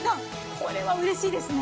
これはうれしいですね。